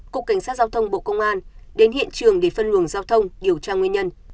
cục cảnh sát giao thông bộ công an đến hiện trường để phân luồng giao thông điều tra nguyên nhân